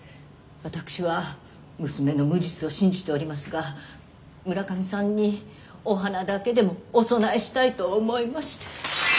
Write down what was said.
私は娘の無実を信じておりますが村上さんにお花だけでもお供えしたいと思いまして。